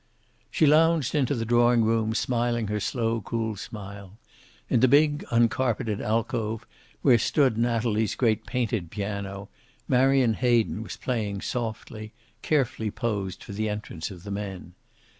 She lounged into the drawing room, smiling her slow, cool smile. In the big, uncarpeted alcove, where stood Natalie's great painted piano, Marion Hayden was playing softly, carefully posed for the entrance of the men.